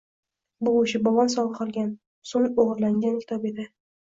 Bu oʻsha, bobom sovgʻa qilgan, soʻng oʻgʻirlangan kitob edi